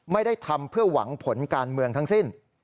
ไม่ได้ทำเพื่อหวังผลการเมืองทั้งสิ้น